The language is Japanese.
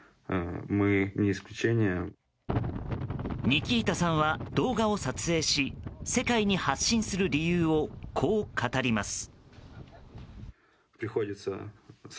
ニキータさんは動画を撮影し世界に発信する理由をこう語ります。